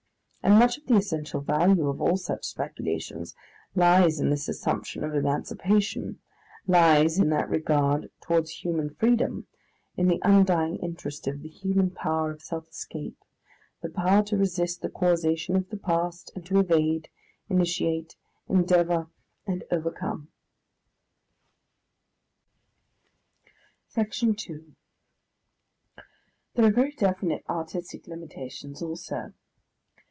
And much of the essential value of all such speculations lies in this assumption of emancipation, lies in that regard towards human freedom, in the undying interest of the human power of self escape, the power to resist the causation of the past, and to evade, initiate, endeavour, and overcome. Section 2 There are very definite artistic limitations also.